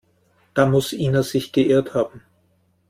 Da muss Ina sich geirrt haben.